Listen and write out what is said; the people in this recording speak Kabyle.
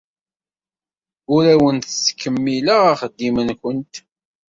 Ur awent-ttkemmileɣ axeddim-nwent.